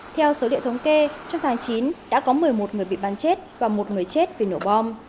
theo số liệu thống kê trong tháng chín đã có một mươi một người bị bắn chết và một người chết vì nổ bom